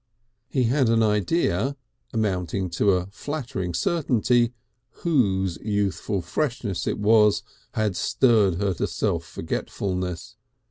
He had an idea, amounting to a flattering certainty, whose youthful freshness it was had stirred her to self forgetfulness.